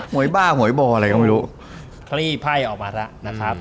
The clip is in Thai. วยบ้าหวยโบอะไรก็ไม่รู้คลี่ไพ่ออกมาแล้วนะครับ